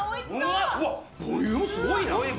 ボリュームすごいやん。